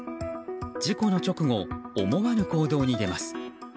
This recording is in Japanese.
事故の直後、思わぬ行動に出ます。